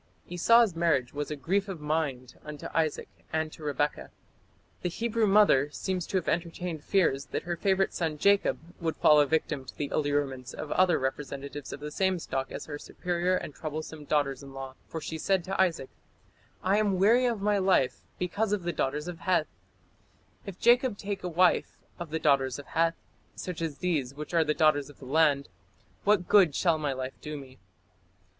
" Esau's marriage was "a grief of mind unto Isaac and to Rebekah". The Hebrew mother seems to have entertained fears that her favourite son Jacob would fall a victim to the allurements of other representatives of the same stock as her superior and troublesome daughters in law, for she said to Isaac: "I am weary of my life because of the daughters of Heth; if Jacob take a wife of the daughters of Heth, such as these which are of the daughters of the land, what good shall my life do me?"